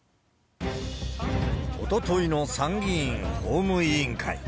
おとといの参議院法務委員会。